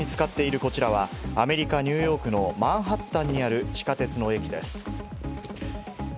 線路を水に浸かっているこちらは、アメリカ・ニューヨークのマンハッタンにある地下鉄の駅です。